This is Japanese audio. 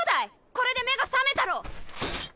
これで目が覚めたろ！